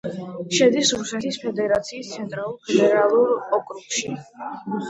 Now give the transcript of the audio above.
შედის რუსეთის ფედერაციის ცენტრალურ ფედერალურ ოკრუგში.